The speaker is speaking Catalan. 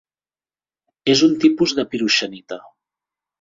És un tipus de piroxenita.